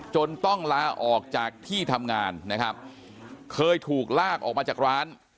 จนต้องลาออกจากที่ทำงานนะครับเคยถูกลากออกมาจากร้าน